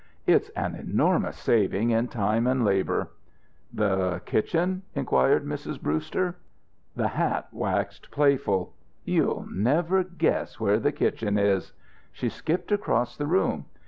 "It's an enormous saving in time and labour." "The kitchen!" inquired Mrs. Brewster. The hat waxed playful. "You'll never guess where the kitchen is!" She skipped across the room.